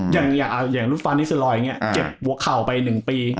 อย่างลูกฟ้านิสเซอรอยด์เจ็บหัวเข่าไป๑ปี